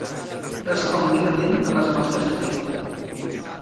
Respon vivament a les mostres d'afecte.